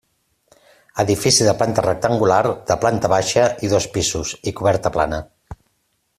Edifici de planta rectangular de planta baixa i dos pisos i coberta plana.